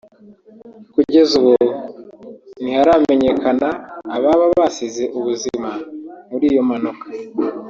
Kugeza ubu ntiharamenyakana ababa basize ubuzima muri iyo mpanuka